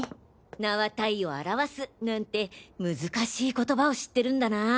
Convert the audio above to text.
「名は体を表す」なんて難しい言葉を知ってるんだな。